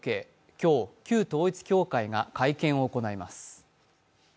今日、旧統一教会が会見を行います。